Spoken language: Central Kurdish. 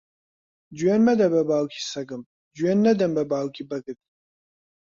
جوێن مەدە بە باوکی سەگم، جوێن نەدەم بە باوکی بەگت.